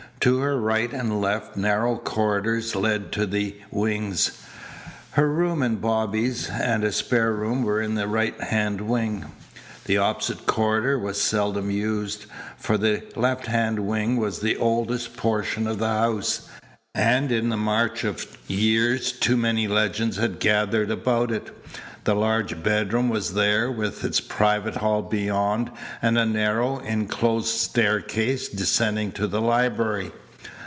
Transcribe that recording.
To her right and left narrow corridors led to the wings. Her room and Bobby's and a spare room were in the right hand wing. The opposite corridor was seldom used, for the left hand wing was the oldest portion of the house, and in the march of years too many legends had gathered about it. The large bedroom was there with its private hall beyond, and a narrow, enclosed staircase, descending to the library.